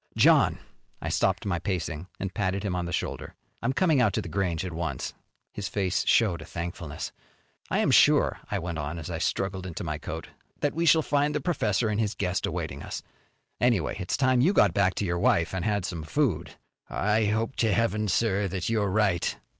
"John." I stopped my pacing and patted him on the shoulder. "I'm coming out to The Grange at once." His face showed his thankfulness. "I am sure," I went on as I struggled into my coat, "that we shall find the professor and his guest awaiting us. Anyway, it's time you got back to your wife and had some food." "I hope to Heaven, sir, that you're right."